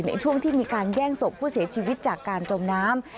ในช่วงที่มีการแย่งศพผู้เสียชีวิตจากการจมน้ำ